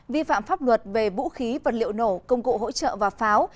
vi phạm pháp luật về vũ khí vật liệu nổ công cụ hỗ trợ và pháo